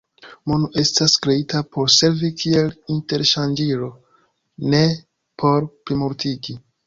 Mono estas kreita por servi kiel interŝanĝilo, ne por plimultiĝi.